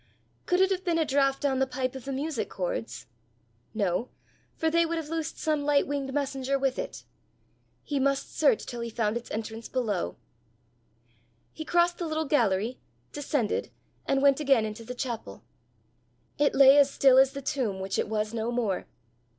Could it have been a draught down the pipe of the music chords? No, for they would have loosed some light winged messenger with it! He must search till he found its entrance below! He crossed the little gallery, descended, and went again into the chapel: it lay as still as the tomb which it was no more.